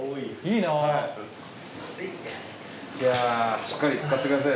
いやしっかりつかって下さい。